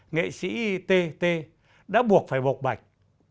nghệ sĩ t t đã buộc phải bộc bạch